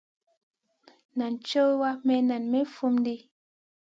Naʼ cowa, maï naʼ may fum ɗi.